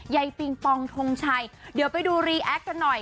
ปิงปองทงชัยเดี๋ยวไปดูรีแอคกันหน่อย